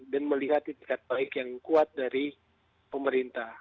dan melihat di tingkat baik yang kuat dari pemerintah